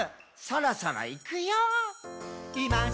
「そろそろいくよー」